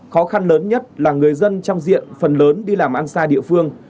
khó khăn lớn nhất là người dân trong diện phần lớn đi làm ăn xa địa phương